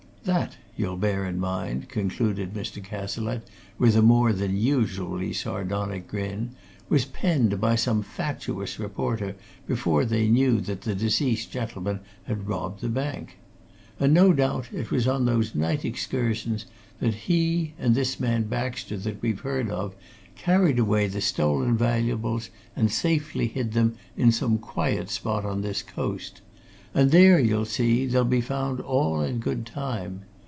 That, you'll bear in mind," concluded Mr. Cazalette, with a more than usually sardonic grin, "was penned by some fatuous reporter before they knew that the deceased gentleman had robbed the bank. And no doubt it was on those night excursions that he, and this man Baxter that we've heard of, carried away the stolen valuables, and safely hid them in some quiet spot on this coast and there you'll see, they'll be found all in good time.